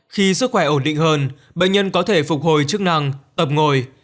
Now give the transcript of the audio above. khi sức khỏe ổn định hơn bệnh nhân có thể phục hồi chức năng ập ngồi